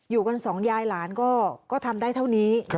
อยู่กันสองยายหลานก็ทำได้เท่านี้